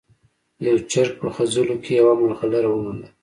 یو چرګ په خځلو کې یوه ملغلره وموندله.